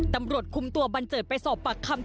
ตำรวจคุมตัวบันเจิดไปสอบปากคำ